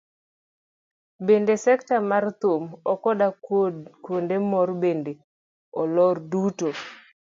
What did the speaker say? Bende sekta mar thum akoda kuonde mor bende olor duto.